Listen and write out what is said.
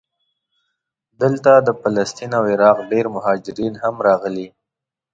دلته د فلسطین او عراق ډېر مهاجرین هم راغلي.